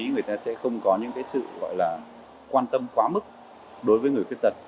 người ta sẽ không có những sự quan tâm quá mức đối với người quyết tật